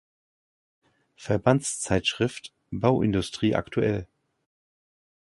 Verbandszeitschrift: Bauindustrie aktuell.